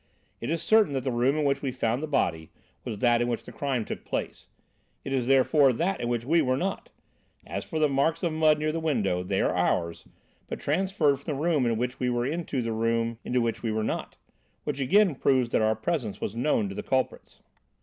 It is certain that the room in which we found the body was that in which the crime took place. It is therefore that in which we were not! As for the marks of mud near the window, they are ours, but transferred from the room in which we were into the room in which we were not! Which again proves that our presence was known to the culprits.